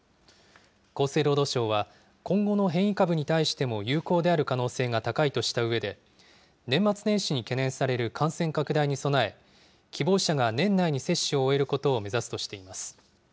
厚生労働省は今後の変異株に対しても有効である可能性が高いとしたうえで、年末年始に懸念される感染拡大に備え、希望者が年内に接種を終えることを目指すとしています。